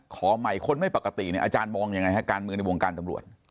ขอใหม่คนไม่ปกติเนี่ยอาจารย์มองยังไงฮะการเมืองในวงการตำรวจ